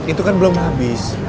itu kan belum habis